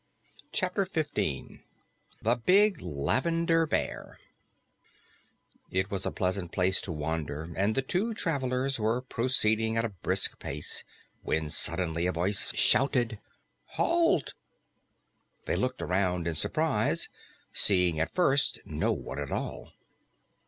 CHAPTER 15 THE BIG LAVENDER BEAR It was a pleasant place to wander, and the two travelers were proceeding at a brisk pace when suddenly a voice shouted, "Halt!" They looked around in surprise, seeing at first no one at all.